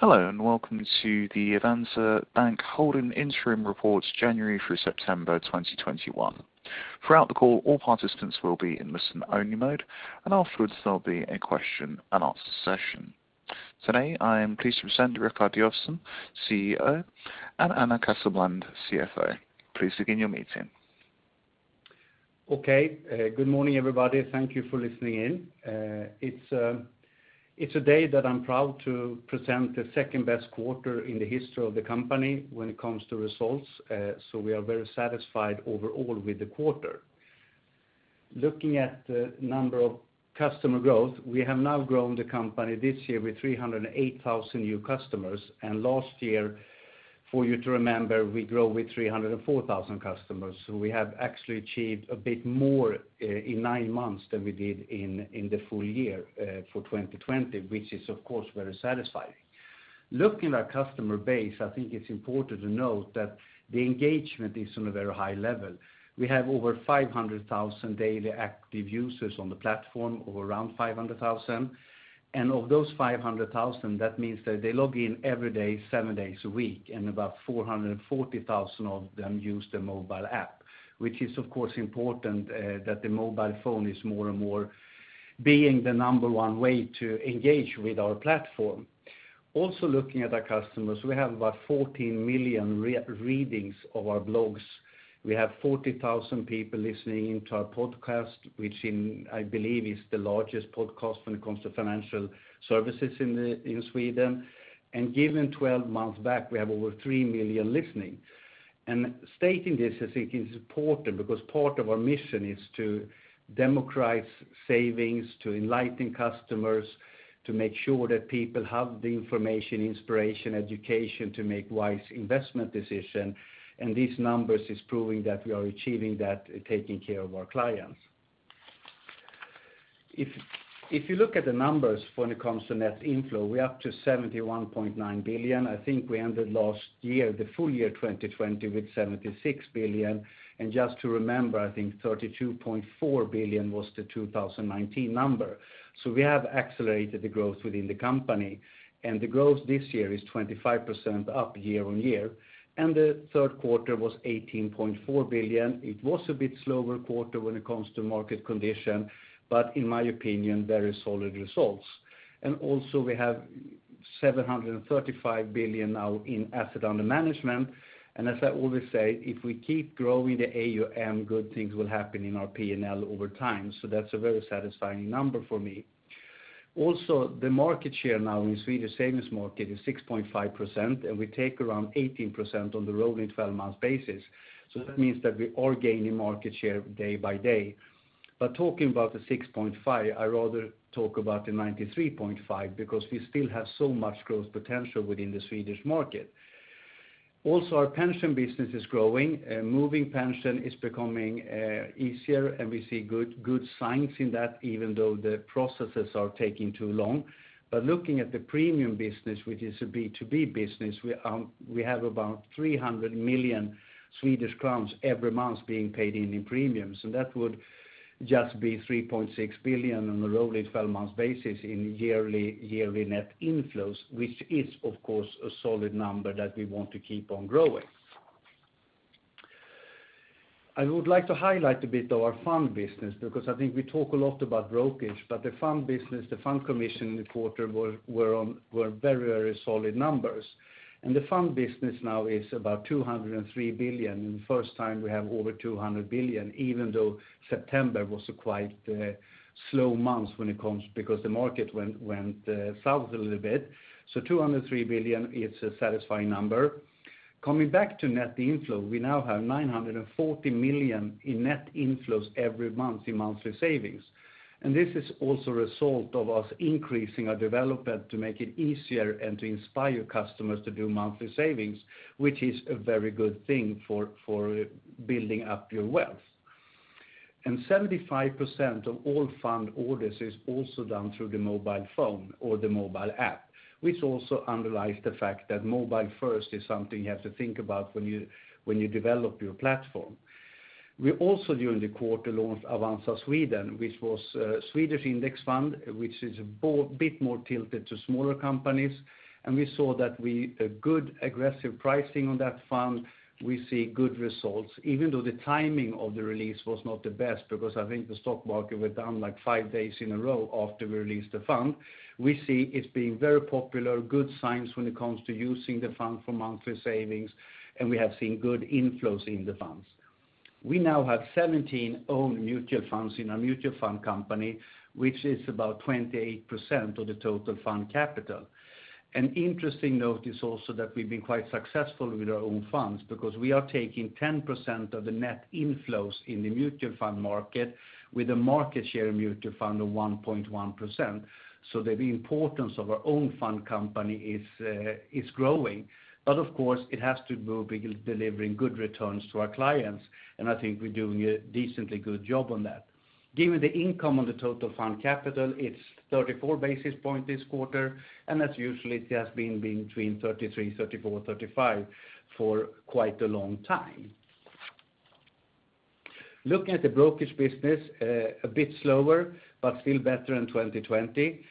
Hello, and welcome to the Avanza Bank Holding Interim Report, January through September 2021. Throughout the call, all participants will be in listen-only mode, and afterwards there'll be a question and answer session. Today, I am pleased to present Rikard Josefson, CEO, and Anna Casselblad, CFO. Please begin your meeting. Okay. Good morning, everybody. Thank you for listening in. It's a day that I'm proud to present the second-best quarter in the history of the company when it comes to results. We are very satisfied overall with the quarter. Looking at the number of customer growth, we have now grown the company this year with 308,000 new customers. Last year, for you to remember, we grew with 304,000 customers. We have actually achieved a bit more in nine months than we did in the full year for 2020, which is of course, very satisfying. Looking at our customer base, I think it's important to note that the engagement is on a very high level. We have over 500,000 daily active users on the platform, or around 500,000. Of those 500,000, that means that they log in every day, seven days a week, and about 440,000 of them use the mobile app, which is, of course, important that the mobile phone is more and more being the number one way to engage with our platform. Looking at our customers, we have about 14 million readings of our blogs. We have 40,000 people listening in to our podcast, which I believe is the largest podcast when it comes to financial services in Sweden. Given 12 months back, we have over 3 million listening. Stating this, I think is important because part of our mission is to democratize savings, to enlighten customers, to make sure that people have the information, inspiration, education to make wise investment decision. These numbers is proving that we are achieving that, taking care of our clients. If you look at the numbers when it comes to net inflow, we're up to 71.9 billion. I think we ended last year, the full year 2020, with 76 billion. Just to remember, I think 32.4 billion was the 2019 number. We have accelerated the growth within the company, and the growth this year is 25% up year-on-year. The third quarter was 18.4 billion. It was a bit slower quarter when it comes to market condition, but in my opinion, very solid results. Also we have 735 billion now in asset under management. As I always say, if we keep growing the AUM, good things will happen in our P&L over time. That's a very satisfying number for me. Also, the market share now in Swedish savings market is 6.5%, and we take around 18% on the rolling 12 months basis. That means that we are gaining market share day by day. Talking about the 6.5%, I rather talk about the 93.5% because we still have so much growth potential within the Swedish market. Also, our pension business is growing. Moving pension is becoming easier, and we see good signs in that, even though the processes are taking too long. Looking at the premium business, which is a B2B business, we have about 300 million Swedish crowns every month being paid in in premiums. That would just be 3.6 billion on a rolling 12 month basis in yearly net inflows, which is, of course, a solid number that we want to keep on growing. I would like to highlight a bit of our fund business, because I think we talk a lot about brokerage, but the fund business, the fund commission in the quarter were very, very solid numbers. The fund business now is about 203 billion, and first time we have over 200 billion, even though September was a quite slow month because the market went south a little bit. 203 billion is a satisfying number. Coming back to net inflow, we now have 940 million in net inflows every month in monthly savings. This is also a result of us increasing our development to make it easier and to inspire customers to do monthly savings, which is a very good thing for building up your wealth. 75% of all fund orders is also done through the mobile phone or the mobile app, which also underlies the fact that mobile first is something you have to think about when you develop your platform. We also, during the quarter, launched Avanza Sverige, which was a Swedish index fund, which is a bit more tilted to smaller companies, and we saw that a good aggressive pricing on that fund, we see good results. Even though the timing of the release was not the best because I think the stock market were down five days in a row after we released the fund, we see it's been very popular, good signs when it comes to using the fund for monthly savings, and we have seen good inflows in the funds. We now have 17 own mutual funds in our mutual fund company, which is about 28% of the total fund capital. An interesting note is also that we've been quite successful with our own funds because we are taking 10% of the net inflows in the mutual fund market with a market share mutual fund of 1.1%. The importance of our own fund company is growing. Of course, it has to be delivering good returns to our clients, and I think we're doing a decently good job on that. Given the income on the total fund capital, it's 34 basis points this quarter, and that usually has been between 33 basis points, 34 basis points, 35 basis points for quite a long time. Looking at the brokerage business, a bit slower, but still better than 2020.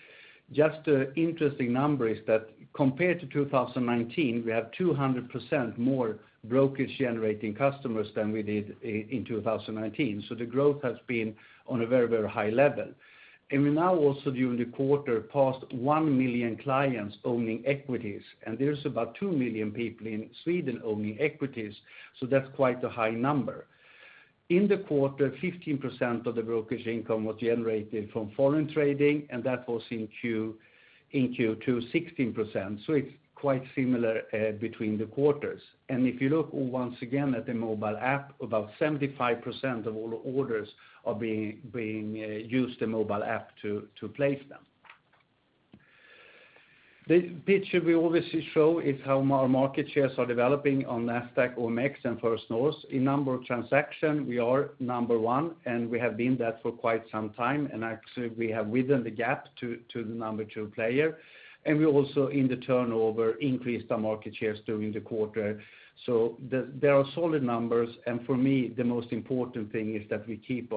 An interesting number is that compared to 2019, we have 200% more brokerage-generating customers than we did in 2019. The growth has been on a very high level. We now also, during the quarter, passed 1 million clients owning equities, and there's about 2 million people in Sweden owning equities, so that's quite a high number. In the quarter, 15% of the brokerage income was generated from foreign trading, and that was in Q2 16%. It's quite similar between the quarters. If you look once again at the mobile app, about 75% of all orders are being used the mobile app to place them. The picture we always show is how our market shares are developing on Nasdaq, OMX, and First North. In number of transaction, we are number one, and we have been that for quite some time, and actually we have widened the gap to the number two player. We also, in the turnover, increased our market shares during the quarter. There are solid numbers, and for me, the most important thing is that we keep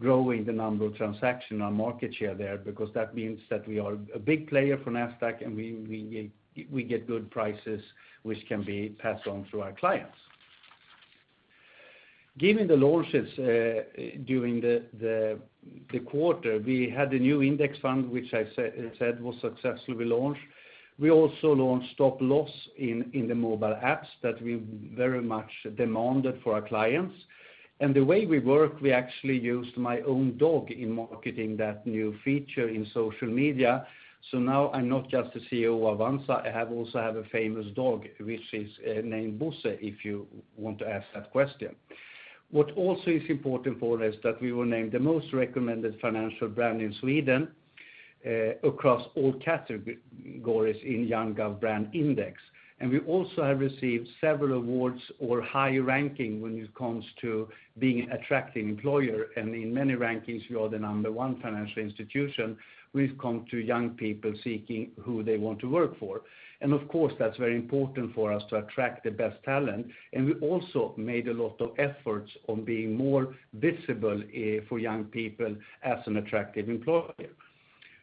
growing the number of transaction on market share there, because that means that we are a big player for Nasdaq and we get good prices which can be passed on to our clients. Given the launches during the quarter, we had the new index fund, which I said was successfully launched. We also launched stop loss in the mobile apps that we very much demanded for our clients. The way we work, we actually used my own dog in marketing that new feature in social media. Now I'm not just the CEO of Avanza, I also have a famous dog, which is named Bosse, if you want to ask that question. What also is important for us that we were named the most recommended financial brand in Sweden across all categories in YouGov BrandIndex. We also have received several awards or high ranking when it comes to being attractive employer. In many rankings, we are the number one financial institution when it comes to young people seeking who they want to work for. Of course, that's very important for us to attract the best talent. We also made a lot of efforts on being more visible for young people as an attractive employer.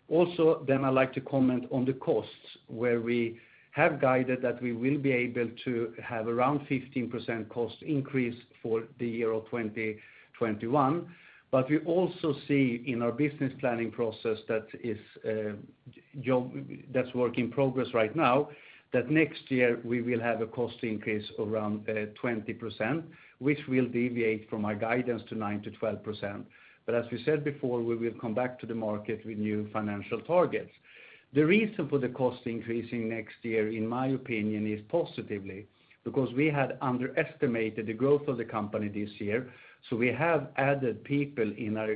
Then I'd like to comment on the costs, where we have guided that we will be able to have around 15% cost increase for the year of 2021. We also see in our business planning process that's work in progress right now, that next year we will have a cost increase around 20%, which will deviate from our guidance to 9%-12%. As we said before, we will come back to the market with new financial targets. The reason for the cost increasing next year, in my opinion, is positively because we had underestimated the growth of the company this year. We have added people in our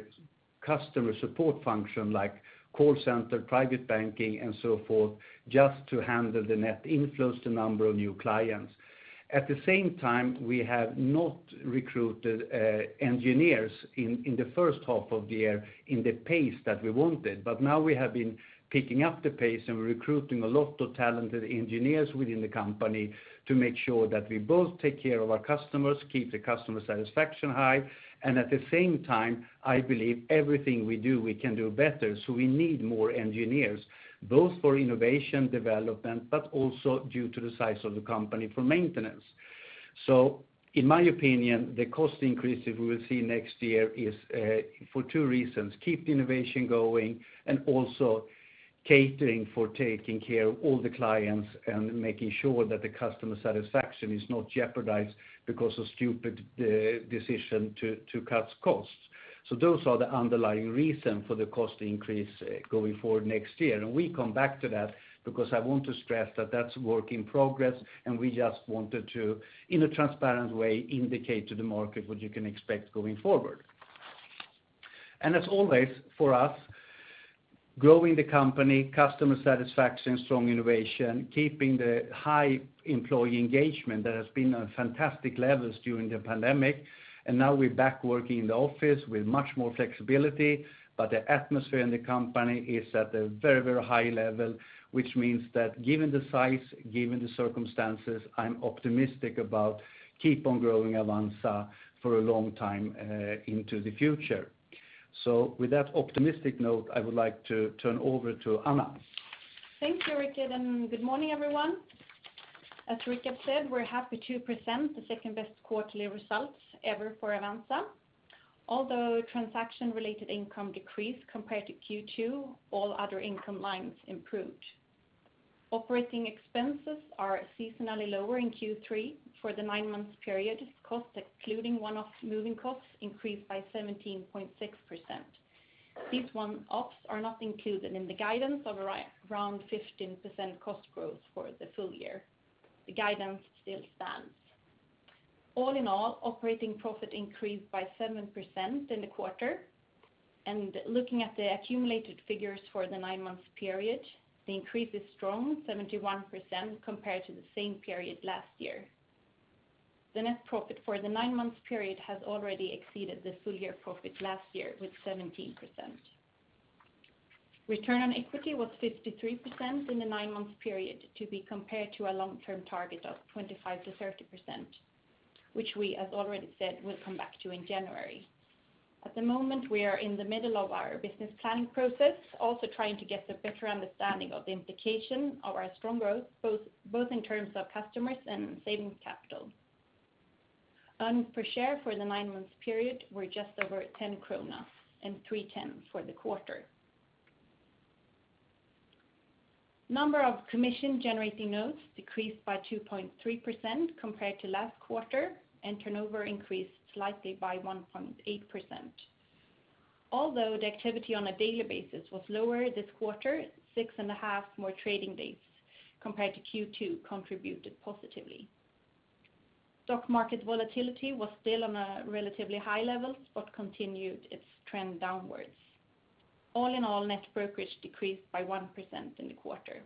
customer support function like call center, Private Banking, and so forth, just to handle the net inflows, the number of new clients. At the same time, we have not recruited engineers in the H1 of the year in the pace that we wanted. Now we have been picking up the pace and recruiting a lot of talented engineers within the company to make sure that we both take care of our customers, keep the customer satisfaction high, and at the same time, I believe everything we do, we can do better. We need more engineers, both for innovation development, but also due to the size of the company for maintenance. In my opinion, the cost increase we will see next year is for two reasons, keep the innovation going and also catering for taking care of all the clients and making sure that the customer satisfaction is not jeopardized because of stupid decision to cut costs. Those are the underlying reason for the cost increase going forward next year. We come back to that because I want to stress that's work in progress and we just wanted to, in a transparent way, indicate to the market what you can expect going forward. As always, for us, growing the company, customer satisfaction, strong innovation, keeping the high employee engagement that has been on fantastic levels during the pandemic. Now we're back working in the office with much more flexibility, but the atmosphere in the company is at a very high level, which means that given the size, given the circumstances, I'm optimistic about keep on growing Avanza for a long time into the future. With that optimistic note, I would like to turn over to Anna. Thank you, Rikard. Good morning, everyone. As Rikard said, we're happy to present the second-best quarterly results ever for Avanza. Although transaction-related income decreased compared to Q2, all other income lines improved. Operating expenses are seasonally lower in Q3. For the nine month period, cost, including one-off moving costs, increased by 17.6%. These one-offs are not included in the guidance of around 15% cost growth for the full year. The guidance still stands. All in all, operating profit increased by 7% in the quarter. Looking at the accumulated figures for the nine month period, the increase is strong, 71% compared to the same period last year. The net profit for the nine month period has already exceeded the full year profit last year with 17%. Return on equity was 53% in the nine month period to be compared to our long-term target of 25%-30%, which we, as already said, will come back to in January. At the moment, we are in the middle of our business planning process, also trying to get a better understanding of the implication of our strong growth, both in terms of customers and savings capital. Earnings per share for the nine month period were just over 10 krona and 3.10 for the quarter. Number of commission-generating notes decreased by 2.3% compared to last quarter. Turnover increased slightly by 1.8%. Although the activity on a daily basis was lower this quarter, six and a half more trading days compared to Q2 contributed positively. Stock market volatility was still on a relatively high level but continued its trend downwards. All in all, net brokerage decreased by 1% in the quarter.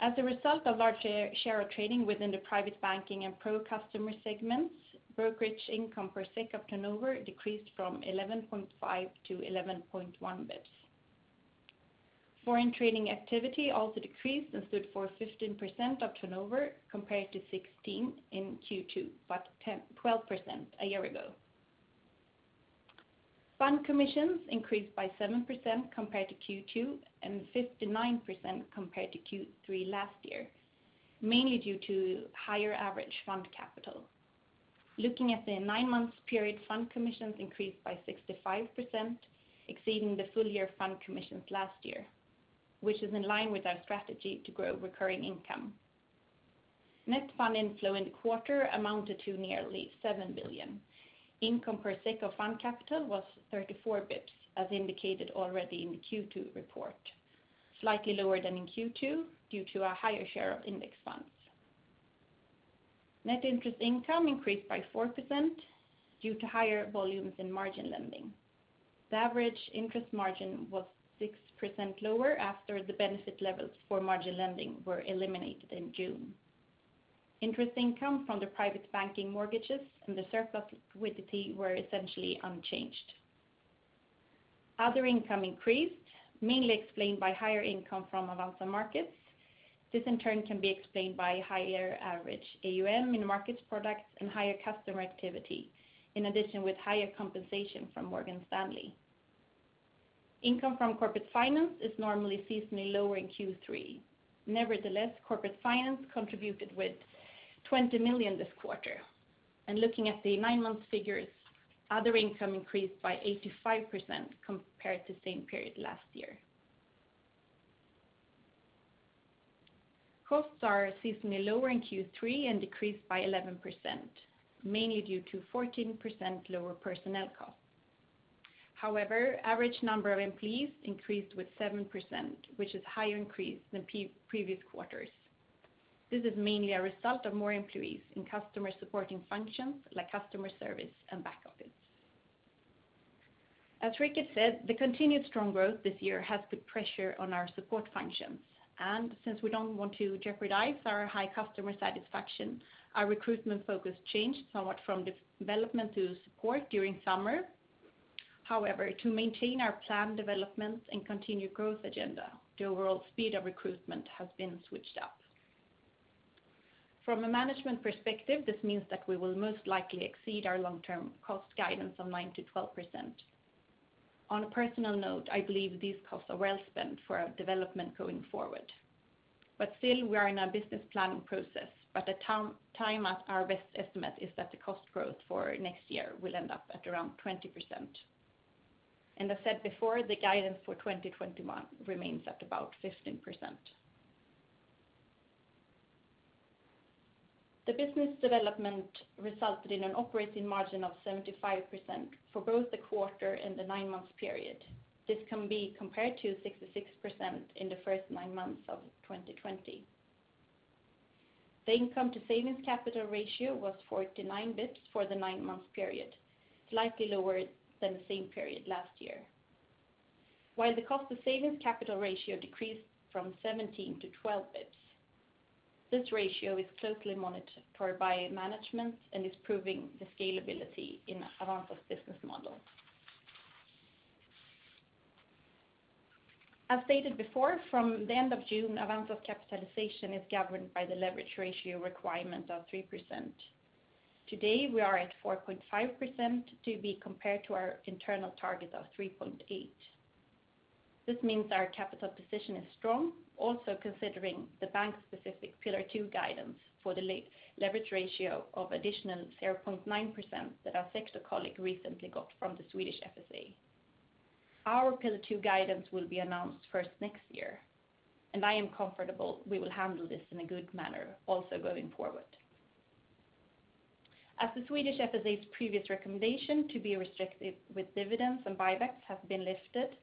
As a result of larger share of trading within the Private Banking and pro customer segments, brokerage income per SEK of turnover decreased from 11.5 bps-1.1 bps. Foreign trading activity also decreased and stood for 15% of turnover, compared to 16% in Q2, but 12% a year ago. Fund commissions increased by 7% compared to Q2 and 59% compared to Q3 last year, mainly due to higher average fund capital. Looking at the nine month period, fund commissions increased by 65%, exceeding the full-year fund commissions last year, which is in line with our strategy to grow recurring income. Net fund inflow in the quarter amounted to nearly 7 billion. Income per SEK of fund capital was 34 bps, as indicated already in the Q2 report, slightly lower than in Q2 due to a higher share of index funds. Net interest income increased by 4% due to higher volumes in margin lending. The average interest margin was 6% lower after the benefit levels for margin lending were eliminated in June. Interest income from the Private Banking mortgages and the surplus liquidity were essentially unchanged. Other income increased, mainly explained by higher income from Avanza Markets. This in turn can be explained by higher average AUM in markets products and higher customer activity, in addition with higher compensation from Morgan Stanley. Income from corporate finance is normally seasonally lower in Q3. Nevertheless, corporate finance contributed with 20 million this quarter. Looking at the nine month figures, other income increased by 85% compared to same period last year. Costs are seasonally lower in Q3 and decreased by 11%, mainly due to 14% lower personnel costs. However, average number of employees increased with 7%, which is higher increase than previous quarters. This is mainly a result of more employees in customer supporting functions like customer service and back office. As Rikard said, the continued strong growth this year has put pressure on our support functions, and since we don't want to jeopardize our high customer satisfaction, our recruitment focus changed somewhat from development to support during summer. However, to maintain our planned development and continued growth agenda, the overall speed of recruitment has been switched up. From a management perspective, this means that we will most likely exceed our long-term cost guidance of 9%-12%. On a personal note, I believe these costs are well spent for our development going forward. We are in a business planning process, but at the time our best estimate is that the cost growth for next year will end up at around 20%. I said before, the guidance for 2021 remains at about 15%. The business development resulted in an operating margin of 75% for both the quarter and the nine month period. This can be compared to 66% in the first nine months of 2020. The income to savings capital ratio was 49 bps for the nine month period, slightly lower than the same period last year. While the cost of savings capital ratio decreased from 17 bps-12 bps. This ratio is closely monitored by management and is proving the scalability in Avanza's business model. As stated before, from the end of June, Avanza's capitalization is governed by the leverage ratio requirement of 3%. Today, we are at 4.5% to be compared to our internal target of 3.8%. This means our capital position is strong, also considering the bank's specific Pillar 2 guidance for the leverage ratio of additional 0.9% that our SEB colleague recently got from the Swedish FSA. Our Pillar 2 guidance will be announced first next year, and I am comfortable we will handle this in a good manner also going forward. As the Swedish FSA's previous recommendation to be restrictive with dividends and buybacks has been lifted,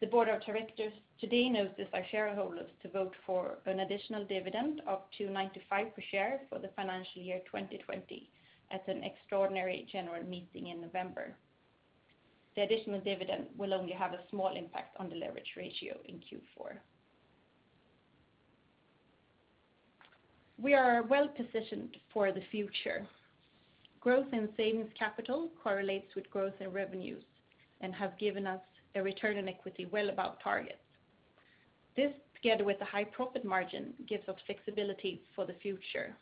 the board of directors today notifies our shareholders to vote for an additional dividend of 295 per share for the financial year 2020 at an extraordinary general meeting in November. The additional dividend will only have a small impact on the leverage ratio in Q4. We are well positioned for the future. Growth in savings capital correlates with growth in revenues and have given us a return on equity well above targets. This, together with a high profit margin, gives us flexibility for the future.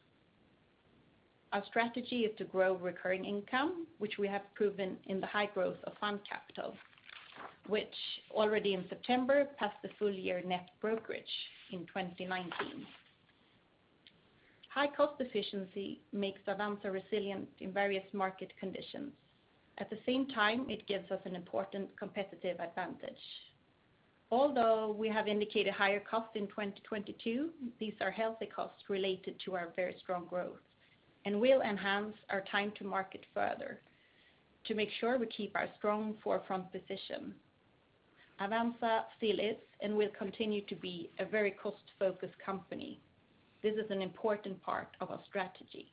Our strategy is to grow recurring income, which we have proven in the high growth of fund capital, which already in September passed the full year net brokerage in 2019. High cost efficiency makes Avanza resilient in various market conditions. At the same time, it gives us an important competitive advantage. Although we have indicated higher costs in 2022, these are healthy costs related to our very strong growth and will enhance our time to market further to make sure we keep our strong forefront position. Avanza still is and will continue to be a very cost-focused company. This is an important part of our strategy.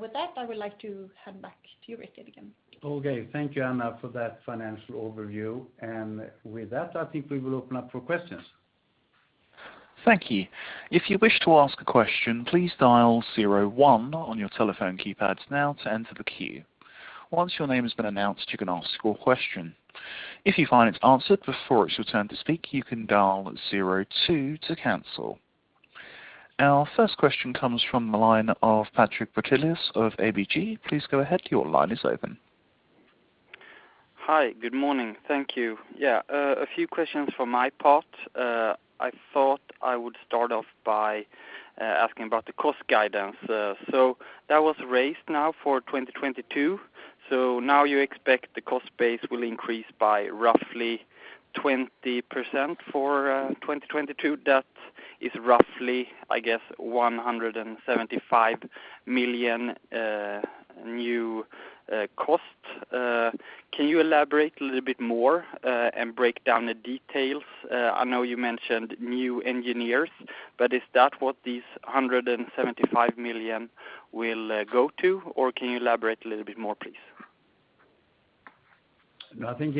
With that, I would like to hand back to you, Rikard, again. Okay. Thank you, Anna, for that financial overview. With that, I think we will open up for questions. Thank you. If you wish to ask a question, please dial zero one on your telephone keypad now to enter the queue. Once your name has been announced, you can ask four questions, if you find it's answered before it's your turn to speak, you can dial star zero two to cancel. Our first question comes from the line of Patrik Brattelius of ABG. Please go ahead. Your line is open. Hi. Good morning. Thank you. Yeah, a few questions from my part. I thought I would start off by asking about the cost guidance. That was raised now for 2022. Now you expect the cost base will increase by roughly 20% for 2022. That is roughly, I guess, 175 million new costs. Can you elaborate a little bit more and break down the details? I know you mentioned new engineers, but is that what these 175 million will go to, or can you elaborate a little bit more, please? No, I think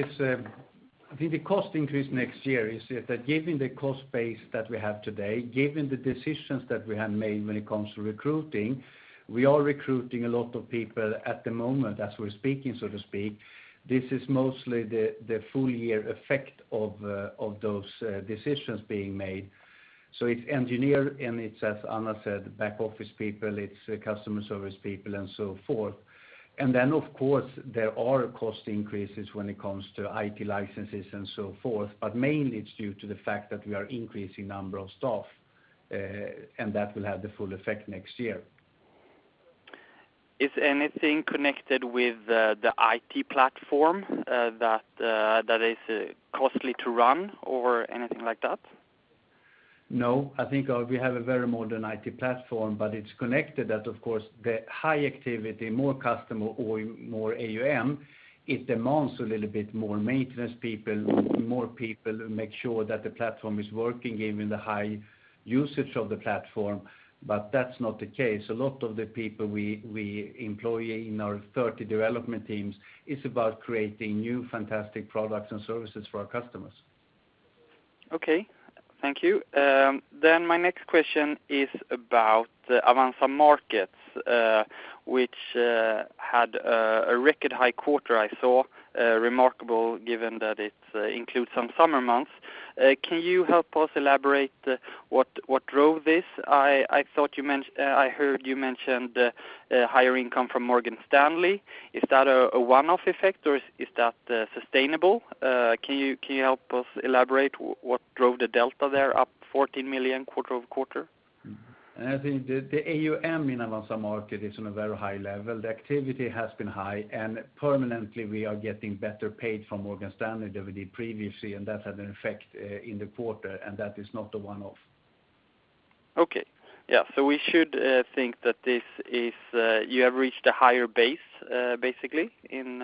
the cost increase next year is that given the cost base that we have today, given the decisions that we have made when it comes to recruiting, we are recruiting a lot of people at the moment as we're speaking, so to speak. This is mostly the full year effect of those decisions being made. It's engineer and it's, as Anna said, back office people, it's customer service people and so forth. Of course, there are cost increases when it comes to IT licenses and so forth, but mainly it's due to the fact that we are increasing number of staff, and that will have the full effect next year. Is anything connected with the IT platform that is costly to run or anything like that? No. I think we have a very modern IT platform, but it's connected that of course the high activity, more customer or more AUM, it demands a little bit more maintenance people, more people make sure that the platform is working given the high usage of the platform. That's not the case. A lot of the people we employ in our 30 development teams is about creating new, fantastic products and services for our customers. My next question is about Avanza Markets which had a record high quarter I saw, remarkable given that it includes some summer months. Can you help us elaborate what drove this? I heard you mentioned higher income from Morgan Stanley. Is that a one-off effect or is that sustainable? Can you help us elaborate what drove the delta there up 14 million quarter-over-quarter? I think the AUM in Avanza Markets is on a very high level. The activity has been high and permanently we are getting better paid from Morgan Stanley than we did previously, and that had an effect in the quarter, and that is not a one-off. Okay. Yeah. We should think that you have reached a higher base, basically, in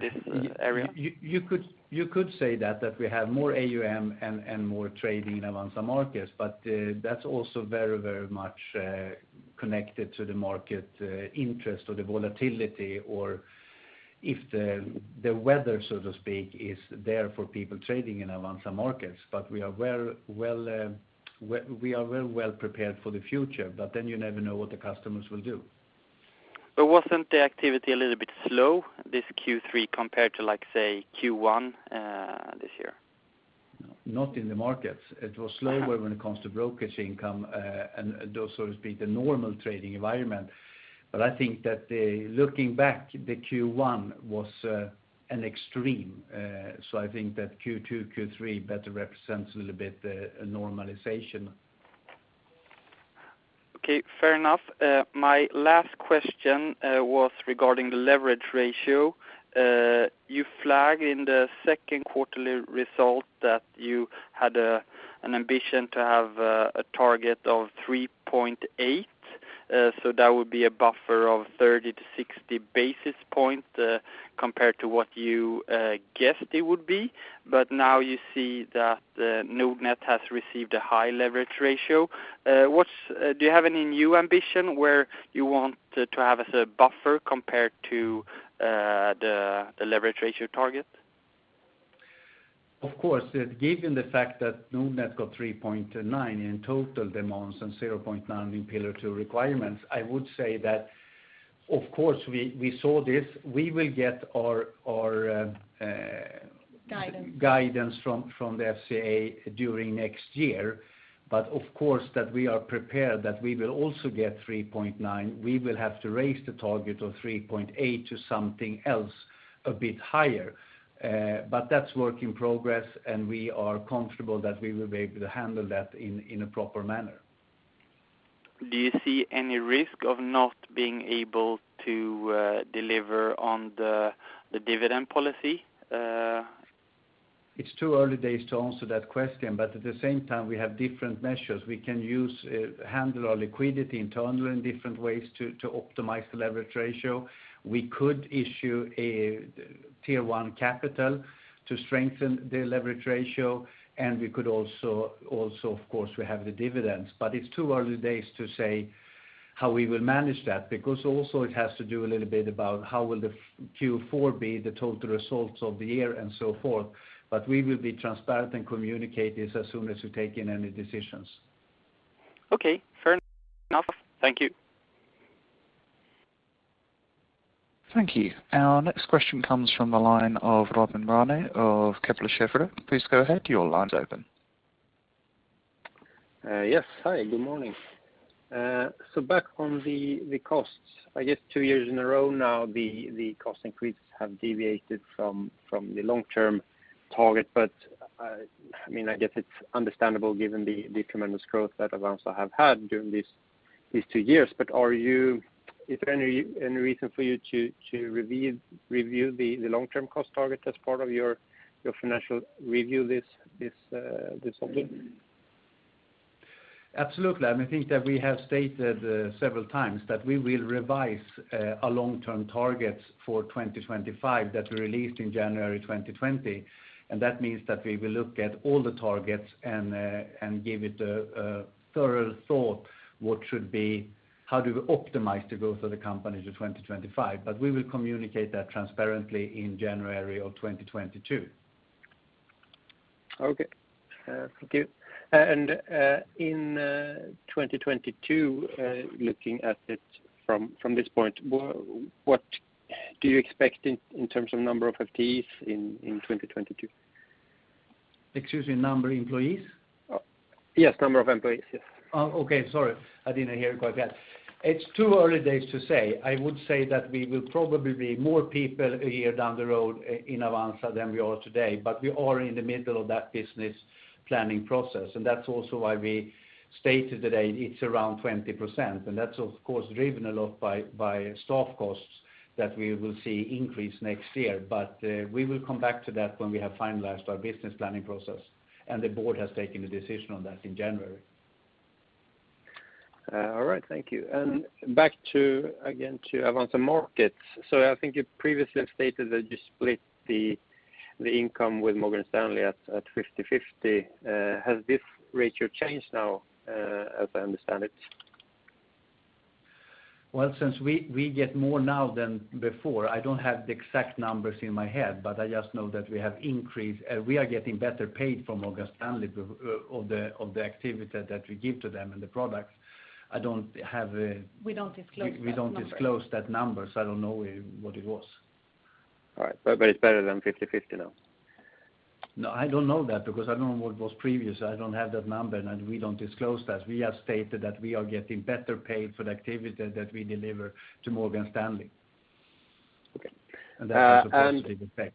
this area? You could say that we have more AUM and more trading in Avanza Markets, but that's also very much connected to the market interest or the volatility or if the weather, so to speak, is there for people trading in Avanza Markets. We are very well prepared for the future, but then you never know what the customers will do. wasn't the activity a little bit slow this Q3 compared to like, say, Q1 this year? Not in the markets. It was slower when it comes to brokerage income and those, so to speak, the normal trading environment. I think that looking back, the Q1 was an extreme. I think that Q2, Q3 better represents a little bit a normalization. Okay, fair enough. My last question was regarding the leverage ratio. You flagged in the 2nd quarterly result that you had an ambition to have a target of 3.8%, so that would be a buffer of 30 basis points-60 basis points compared to what you guessed it would be. Now you see that Nordnet has received a high leverage ratio. Do you have any new ambition where you want to have as a buffer compared to the leverage ratio target? Of course, given the fact that Nordnet got 3.9% in total demands and 0.9% in Pillar 2 requirements, I would say that, of course, we saw this. We will get our. Guidance. Guidance from the FSA during next year. Of course, that we are prepared that we will also get 3.9%. We will have to raise the target of 3.8% to something else a bit higher. That's work in progress, and we are comfortable that we will be able to handle that in a proper manner. Do you see any risk of not being able to deliver on the dividend policy? It's too early days to answer that question. At the same time, we have different measures we can use to handle our liquidity internally in different ways to optimize the leverage ratio. We could issue a Tier 1 capital to strengthen the leverage ratio, we could also, of course, we have the dividends. It's too early days to say how we will manage that, because also it has to do a little bit about how will the Q4 be, the total results of the year, and so forth. We will be transparent and communicate this as soon as we take any decisions. Okay. Fair enough. Thank you. Thank you. Our next question comes from the line of Robin Råne of Kepler Cheuvreux. Please go ahead. Your line's open. Yes. Hi, good morning. Back on the costs. I guess two years in a row now, the cost increases have deviated from the long-term target. I guess it's understandable given the tremendous growth that Avanza has had during these two years. Is there any reason for you to review the long-term cost target as part of your financial review this autumn? Absolutely. I think that we have stated several times that we will revise our long-term targets for 2025 that we released in January 2020. That means that we will look at all the targets and give it a thorough thought what should be how do we optimize the growth of the company to 2025. We will communicate that transparently in January of 2022. Okay. Thank you. In 2022, looking at it from this point, what do you expect in terms of number of FTEs in 2022? Excuse me, number employees? Yes, number of employees. Yes. Okay. Sorry, I didn't hear you quite there. It's too early days to say. I would say that we will probably be more people a year down the road in Avanza than we are today, but we are in the middle of that business planning process, and that's also why we stated today it's around 20%, and that's of course driven a lot by staff costs that we will see increase next year. We will come back to that when we have finalized our business planning process and the board has taken the decision on that in January. All right, thank you. Back to, again, to Avanza Markets. I think you previously have stated that you split the income with Morgan Stanley at 50/50. Has this ratio changed now, as I understand it? Well, since we get more now than before, I don't have the exact numbers in my head, but I just know that we are getting better paid from Morgan Stanley of the activity that we give to them and the products. We don't disclose that number. We don't disclose that number, so I don't know what it was. All right. It's better than 50/50 now? I don't know that because I don't know what was previous. I don't have that number, and we don't disclose that. We have stated that we are getting better paid for the activity that we deliver to Morgan Stanley. Okay. That is a positive effect.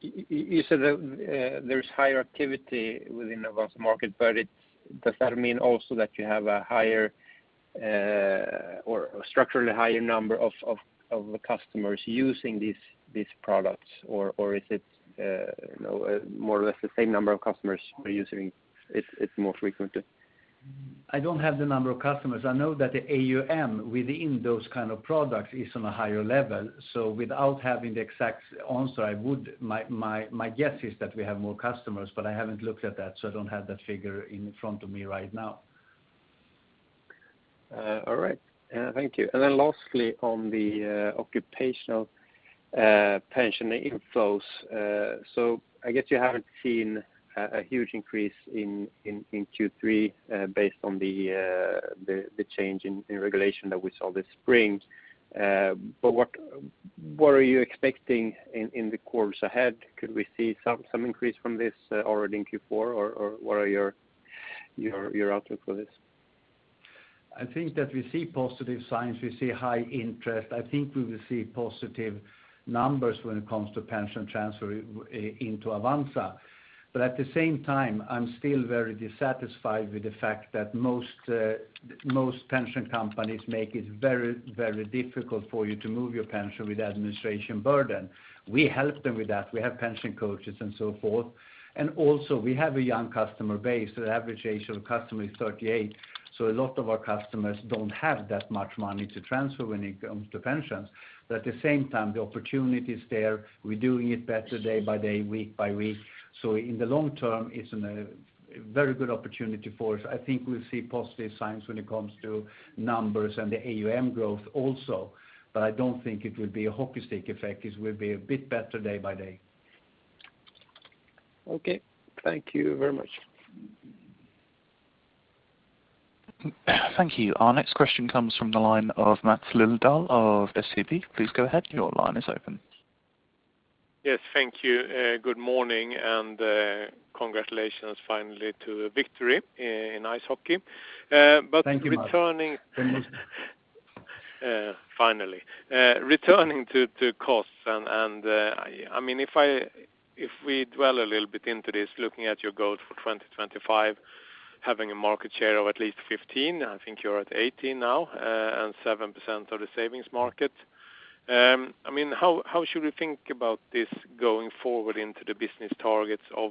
You said that there's higher activity within Avanza Markets, does that mean also that you have a structurally higher number of the customers using these products, or is it more or less the same number of customers are using it more frequently? I don't have the number of customers. I know that the AUM within those kind of products is on a higher level. Without having the exact answer, my guess is that we have more customers, but I haven't looked at that, so I don't have that figure in front of me right now. All right. Thank you. Lastly on the occupational pension inflows. I guess you haven't seen a huge increase in Q3 based on the change in regulation that we saw this spring. What are you expecting in the quarters ahead? Could we see some increase from this already in Q4, or what are your outlook for this? I think that we see positive signs. We see high interest. I think we will see positive numbers when it comes to pension transfer into Avanza. At the same time, I'm still very dissatisfied with the fact that most pension companies make it very difficult for you to move your pension with administration burden. We help them with that. We have pension coaches and so forth. Also we have a young customer base. The average age of a customer is 38, so a lot of our customers don't have that much money to transfer when it comes to pensions. At the same time, the opportunity is there. We're doing it better day by day, week by week. In the long term, it's a very good opportunity for us. I think we'll see positive signs when it comes to numbers and the AUM growth also. I don't think it will be a hockey stick effect. It will be a bit better day by day. Okay. Thank you very much. Thank you. Our next question comes from the line of Mats Lilldahl of SEB. Please go ahead. Your line is open. Yes, thank you. Good morning, and congratulations finally to victory in ice hockey. Thank you, Mats. Finally. Returning to costs, if we dwell a little bit into this, looking at your goals for 2025, having a market share of at least 15%, I think you're at 18% now, and 7% of the savings market. How should we think about this going forward into the business targets of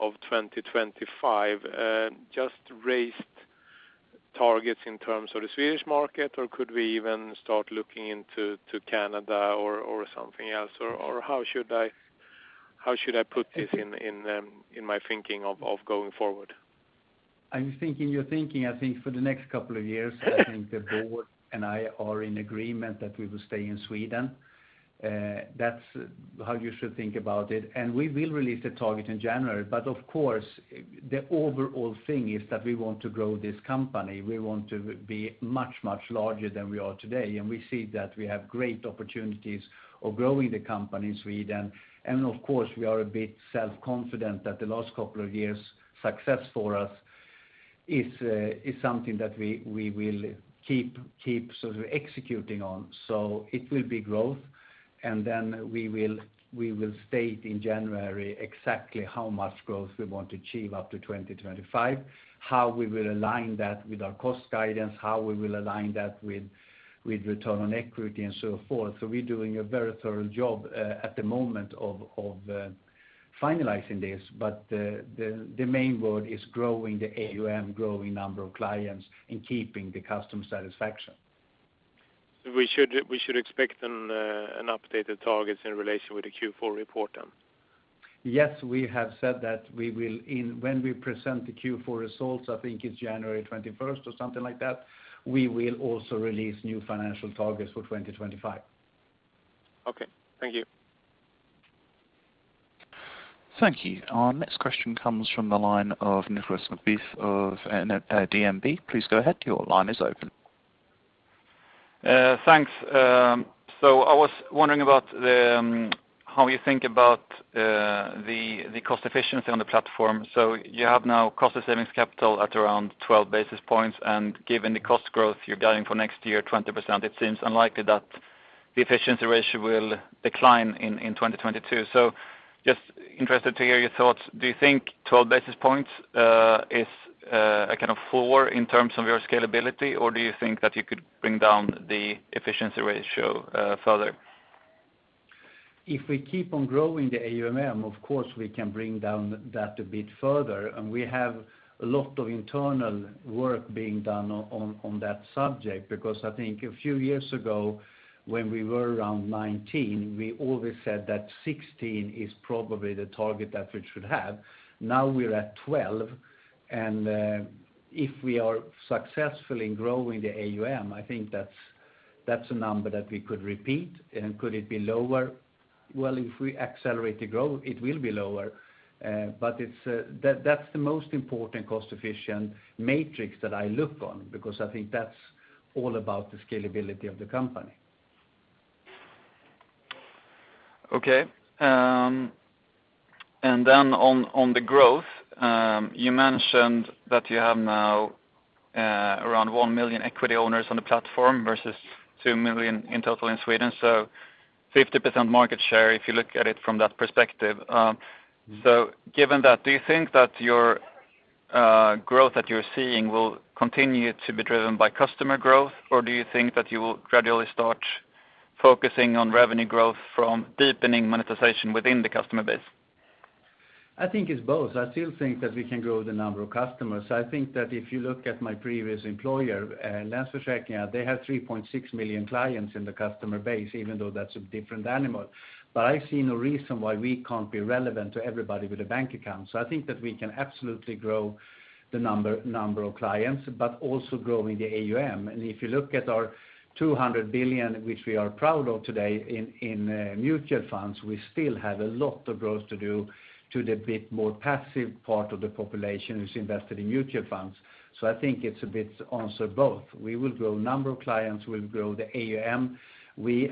2025? Just raised targets in terms of the Swedish market, or could we even start looking into Canada or something else? How should I put this in my thinking of going forward? I'm thinking your thinking, I think for the next couple of years, I think the board and I are in agreement that we will stay in Sweden. That's how you should think about it. We will release the target in January. Of course, the overall thing is that we want to grow this company. We want to be much larger than we are today, and we see that we have great opportunities of growing the company in Sweden. Of course, we are a bit self-confident that the last couple of years success for us is something that we will keep executing on. It will be growth, and then we will state in January exactly how much growth we want to achieve up to 2025, how we will align that with our cost guidance, how we will align that with return on equity and so forth. We're doing a very thorough job at the moment of finalizing this. The main word is growing the AUM, growing number of clients, and keeping the customer satisfaction. We should expect an updated target in relation with the Q4 report then? Yes we have said that when we present the Q4 results, I think it's January 21st, 2021 or something like that, we will also release new financial targets for 2025. Okay. Thank you. Thank you. Our next question comes from the line of Nicolas McBeath of DNB. Thanks. I was wondering about how you think about the cost efficiency on the platform. You have now cost of savings capital at around 12 basis points, and given the cost growth you're guiding for next year, 20%, it seems unlikely that the efficiency ratio will decline in 2022. Just interested to hear your thoughts. Do you think 12 basis points is a kind of floor in terms of your scalability, or do you think that you could bring down the efficiency ratio further? If we keep on growing the AUM, of course, we can bring down that a bit further. We have a lot of internal work being done on that subject because I think a few years ago when we were around 19 basis points, we always said that 16 basis points is probably the target that we should have. Now we're at 12 basis points, and if we are successful in growing the AUM, I think that's a number that we could repeat. Could it be lower? Well if we accelerate the growth, it will be lower. That's the most important cost-efficient matrix that I look on because I think that's all about the scalability of the company. Okay. On the growth, you mentioned that you have now around 1 million equity owners on the platform versus 2 million in total in Sweden, so 50% market share if you look at it from that perspective. Given that, do you think that your growth that you're seeing will continue to be driven by customer growth, or do you think that you will gradually start focusing on revenue growth from deepening monetization within the customer base? I think it's both. I still think that we can grow the number of customers. I think that if you look at my previous employer, Länsförsäkringar, they have 3.6 million clients in the customer base, even though that's a different animal. I see no reason why we can't be relevant to everybody with a bank account. I think that we can absolutely grow the number of clients, but also growing the AUM. If you look at our 200 billion, which we are proud of today in mutual funds, we still have a lot of growth to do to the bit more passive part of the population who's invested in mutual funds. I think it's a bit answer both. We will grow number of clients, we'll grow the AUM.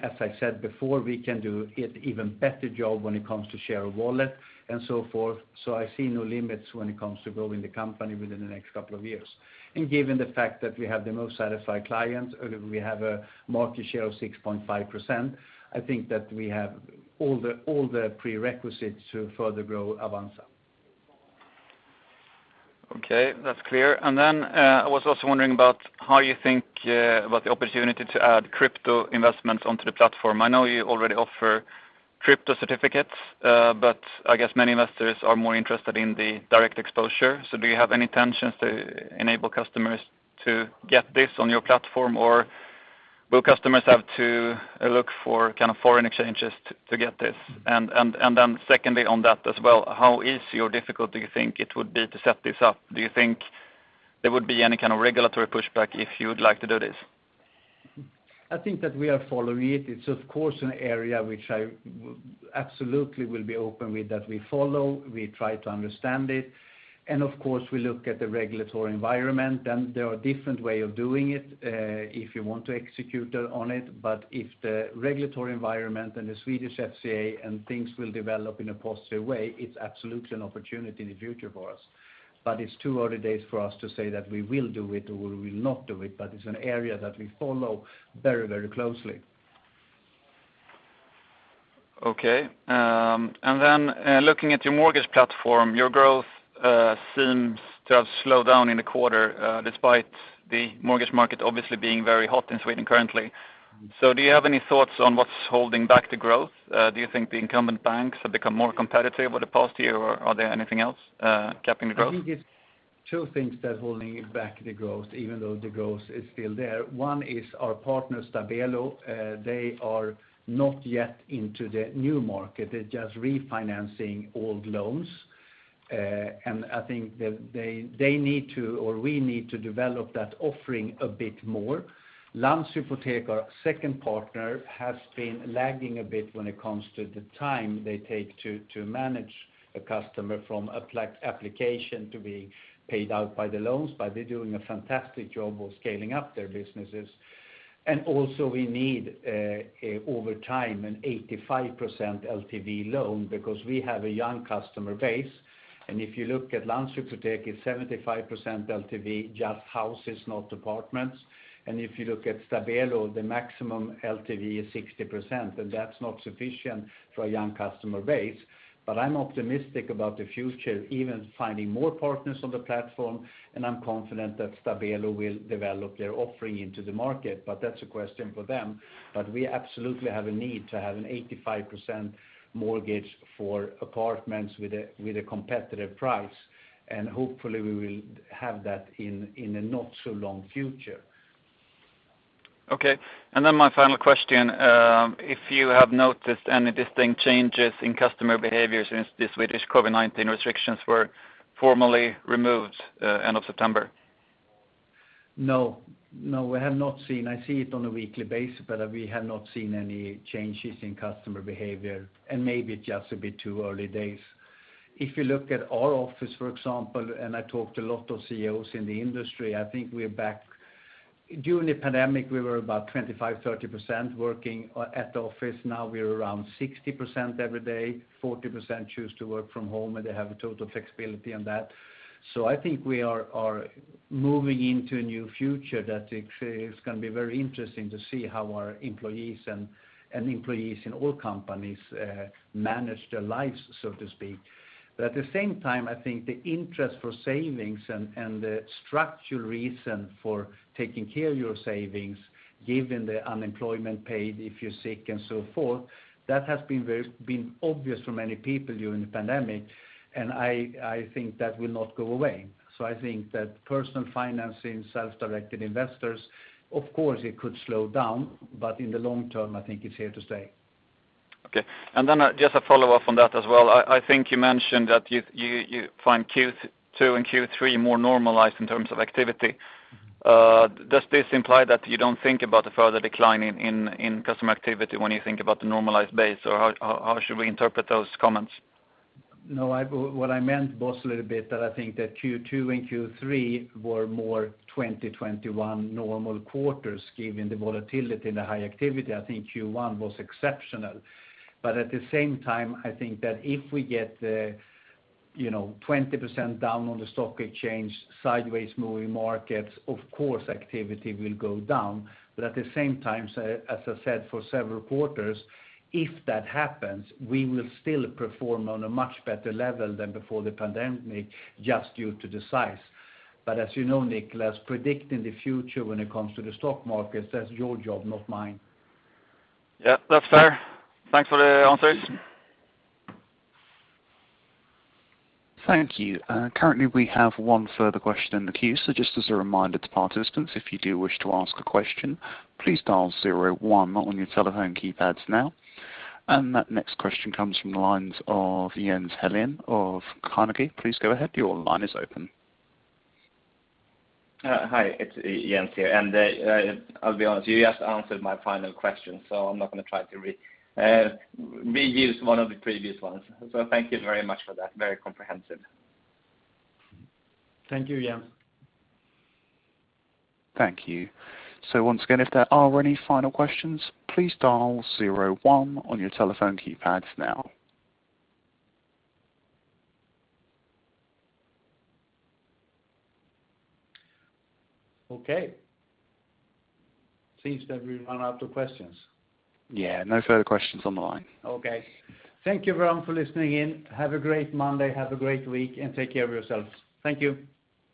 As I said before, we can do it even better job when it comes to share of wallet and so forth. I see no limits when it comes to growing the company within the next couple of years. Given the fact that we have the most satisfied clients, or we have a market share of 6.5%, I think that we have all the prerequisites to further grow Avanza. Okay. That's clear. I was also wondering about how you think about the opportunity to add crypto investment onto the platform. I know you already offer crypto certificates, but I guess many investors are more interested in the direct exposure. Do you have any intentions to enable customers to get this on your platform, or will customers have to look for foreign exchanges to get this? Secondly on that as well, how easy or difficult do you think it would be to set this up? Do you think there would be any kind of regulatory pushback if you would like to do this? I think that we are following it. It's of course an area which I absolutely will be open with that we follow, we try to understand it, and of course we look at the regulatory environment, and there are different way of doing it if you want to execute on it. If the regulatory environment and the Swedish FSA and things will develop in a positive way, it's absolutely an opportunity in the future for us. It's too early days for us to say that we will do it or we will not do it, but it's an area that we follow very closely. Okay. Looking at your mortgage platform, your growth seems to have slowed down in the quarter despite the mortgage market obviously being very hot in Sweden currently. Do you have any thoughts on what's holding back the growth? Do you think the incumbent banks have become more competitive over the past year or are there anything else capping the growth? I think it's two things that are holding back the growth even though the growth is still there. One is our partner Stabelo, they are not yet into the new market, they're just refinancing old loans. I think we need to develop that offering a bit more. Landshypotek, our second partner, has been lagging a bit when it comes to the time they take to manage a customer from application to being paid out by the loans, but they're doing a fantastic job of scaling up their businesses. Also we need over time an 85% LTV loan because we have a young customer base, and if you look at Landshypotek it's 75% LTV, just houses, not apartments. If you look at Stabelo, the maximum LTV is 60%, and that's not sufficient for a young customer base. I'm optimistic about the future, even finding more partners on the platform, and I'm confident that Stabelo will develop their offering into the market. That's a question for them. We absolutely have a need to have an 85% mortgage for apartments with a competitive price, and hopefully we will have that in a not so long future. Okay. My final question, if you have noticed any distinct changes in customer behaviors since the Swedish COVID-19 restrictions were formally removed end of September? No. We have not seen I see it on a weekly basis, but we have not seen any changes in customer behavior. Maybe it's just a bit too early days. If you look at our office, for example, and I talked to a lot of CEOs in the industry, I think we're back. During the COVID-19, we were about 25%-30% working at the office. Now we are around 60% every day. 40% choose to work from home, and they have total flexibility on that. I think we are moving into a new future that it's going to be very interesting to see how our employees, and employees in all companies manage their lives, so to speak. At the same time, I think the interest for savings and the structural reason for taking care of your savings, given the unemployment paid if you're sick and so forth, that has been obvious for many people during the pandemic, and I think that will not go away. I think that personal financing, self-directed investors, of course it could slow down, but in the long term, I think it's here to stay. Okay. Just a follow-up on that as well. I think you mentioned that you find Q2 and Q3 more normalized in terms of activity. Does this imply that you don't think about a further decline in customer activity when you think about the normalized base, or how should we interpret those comments? What I meant was a little bit that I think that Q2 and Q3 were more 2021 normal quarters given the volatility and the high activity. I think Q1 was exceptional. At the same time, I think that if we get 20% down on the stock exchange, sideways-moving markets, of course activity will go down. At the same time, as I said for several quarters, if that happens, we will still perform on a much better level than before the pandemic, just due to the size. As you know, Nicolas, predicting the future when it comes to the stock market, that's your job, not mine. Yeah, that's fair. Thanks for the answers. Thank you. Currently we have one further question in the queue. Just as a reminder to participants, if you do wish to ask a question, please dial zero one on your telephone keypads now. That next question comes from the lines of Jens Hallén of Carnegie. Please go ahead. Your line is open. Hi, it's Jens here. I'll be honest, you just answered my final question. I'm not going to try to reuse one of the previous ones. Thank you very much for that. Very comprehensive. Thank you, Jens. Thank you. Once again, if there are any final questions, please dial zero one on your telephone keypads now. Okay. Seems that we've run out of questions. Yeah. No further questions on the line. Okay. Thank you everyone for listening in. Have a great Monday, have a great week, and take care of yourselves. Thank you.